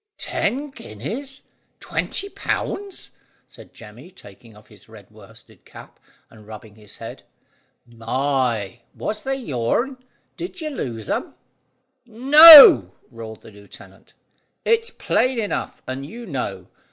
"Ten guineas! Twenty pounds!" said Jemmy, taking off his red worsted cap, and rubbing his head. "My! Was they your'n? Did you lose 'em?" "No," roared the lieutenant; "it's plain enough, and you know.